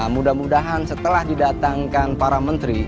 mudah mudahan setelah didatangkan para menteri